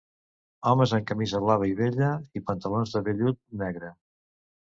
Homes amb camisa blava i vella i pantalons de vellut negre